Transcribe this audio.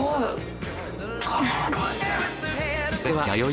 はい。